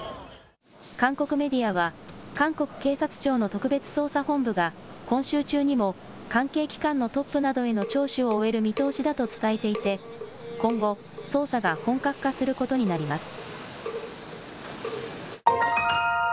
韓国メディアは韓国警察庁の特別捜査本部が今週中にも関係機関のトップなどへの聴取を終える見通しだと伝えていて今後、捜査が本格化することになります。